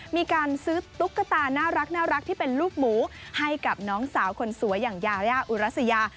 มีการซื้อตุ๊กตาน่ารักที่เป็นลูกหมูให้กับน้องสาวคนสวยอย่างยายาอุรัสยา